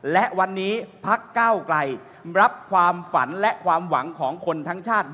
และวันนี้พักเก้าไกลรับความฝันและความหวังของคนทั้งชาติ